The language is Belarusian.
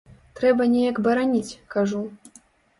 Трэба неяк бараніць!- кажу.